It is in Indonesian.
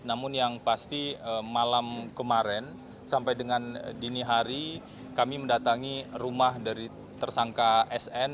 namun yang pasti malam kemarin sampai dengan dini hari kami mendatangi rumah dari tersangka sn